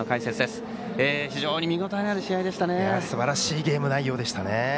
すばらしいゲーム内容でしたね。